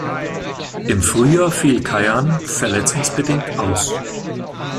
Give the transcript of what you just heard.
Im Frühjahr fiel Kayhan verletzungsbedingt aus.